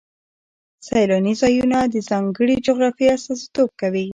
سیلاني ځایونه د ځانګړې جغرافیې استازیتوب کوي.